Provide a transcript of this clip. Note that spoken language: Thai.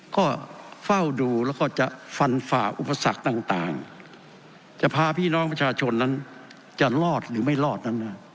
ก็เฝ้าดูแล้วก็จะฟันฝ่าอุปสรรคต่างจะพาพี่น้องประชาชนนั้นจะรอดหรือไม่รอดนั้น